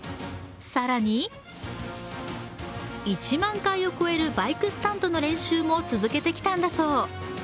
更に１万回を超えるバイクスタントの練習も続けてきたんだそう。